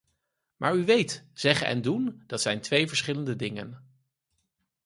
Maar u weet, zeggen en doen, dat zijn twee verschillende dingen.